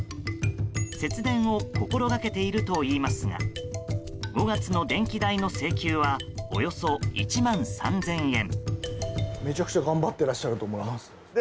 節電を心がけているといいますが５月の電気代の請求はおよそ１万３０００円。